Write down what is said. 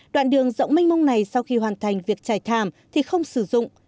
đoạn đường rộng mênh mông này sau khi hoàn thành việc trải thảm thì không sử dụng